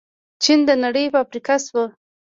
چین د نړۍ فابریکه شوه.